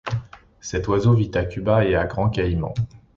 Cet oiseau vit à Cuba et à Grand Cayman.